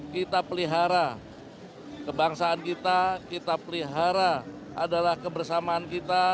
kita pelihara kebangsaan kita kita pelihara adalah kebersamaan kita